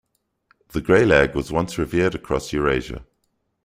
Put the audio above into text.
The greylag was once revered across Eurasia.